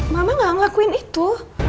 mama gak ngelakuin itu